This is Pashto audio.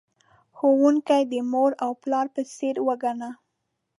ښوونکی د مور او پلار په څیر وگڼه.